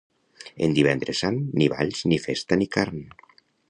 En Divendres Sant, ni balls, ni festa, ni carn.